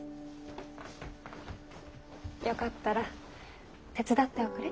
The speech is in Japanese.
よかったら手伝っておくれ。